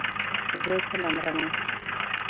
زه کله مرمه.